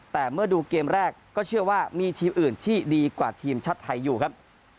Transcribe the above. แต่เมื่อดูเกมแรกก็เชื่อว่ามีทีมอื่นที่ดีกว่าทีมชาติไทยอยู่ครับ